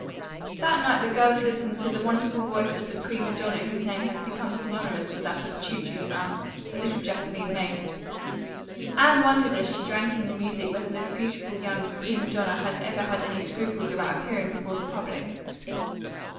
That night the girls listened to the wonderful voice of the prima donna whose name has become synonymous with that of "Chu Chu San," the little Japanese maid. Anne wondered as she drank in the music whether this beautiful young prima donna had ever had any scruples about appearing before the public.